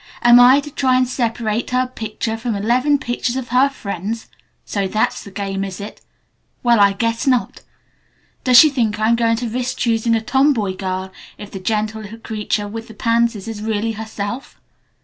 "Am I to try and separate her picture from eleven pictures of her friends! So that's the game, is it? Well, I guess not! Does she think I'm going to risk choosing a tom boy girl if the gentle little creature with the pansies is really herself?